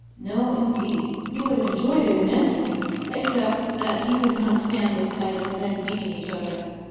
No indeed. He would have enjoyed it immensely, except that he could not stand the sight of men beating each other.